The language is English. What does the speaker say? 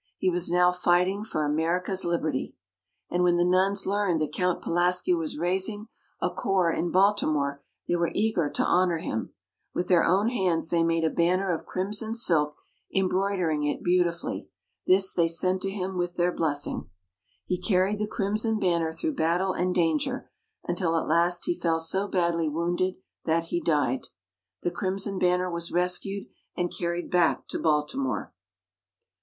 He was now fighting for America's Liberty. And when the Nuns learned that Count Pulaski was raising a corps in Baltimore, they were eager to honour him. With their own hands they made a banner of crimson silk, embroidering it beautifully. This they sent to him with their blessing. He carried the crimson banner through battle and danger, until at last he fell so badly wounded that he died. The crimson banner was rescued, and carried back to Baltimore.